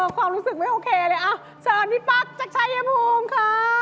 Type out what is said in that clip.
ความรู้สึกไม่โอเคเลยอ้าวเชิญพี่ปั๊กจักชัยเยียมภูมิค่า